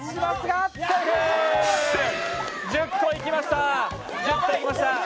１０個いきました。